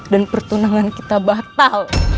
dan pertunangan kita batal